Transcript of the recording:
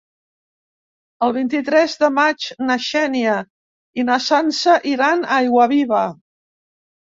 El vint-i-tres de maig na Xènia i na Sança iran a Aiguaviva.